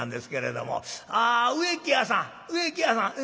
「ああ植木屋さん植木屋さん」。